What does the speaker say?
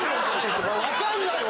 分かんないわ！